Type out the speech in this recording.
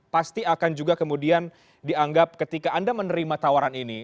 pasti akan juga kemudian dianggap ketika anda menerima tawaran ini